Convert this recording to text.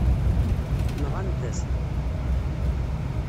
Nɣant-as-t.